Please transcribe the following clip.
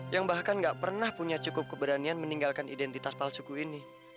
yang bahkan gak pernah punya cukup keberanian meninggalkan identitas palsuku ini